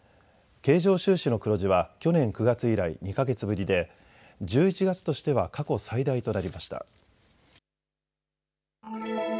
経常収支の黒字は去年９月以来、２か月ぶりで１１月としては過去最大となりました。